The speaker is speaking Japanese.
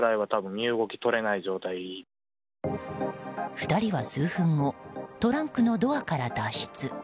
２人は数分後トランクのドアから脱出。